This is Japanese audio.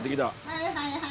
はいはいはいはい。